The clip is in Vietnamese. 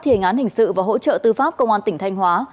thì hình án hình sự và hỗ trợ tư pháp công an tỉnh thanh hóa